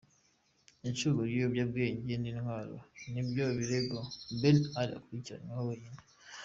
Icuruzwa ry’ibiyobyabwenge n’intwaro ni byo birego Ben Ali akurikiranweho wenyine.